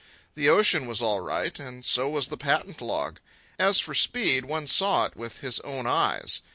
The ocean was all right, and so was the patent log; as for speed, one saw it with his own eyes.